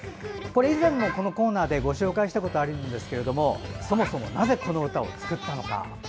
以前にも、このコーナーでご紹介したことあるんですがそもそも、なぜこの歌を作ったのか。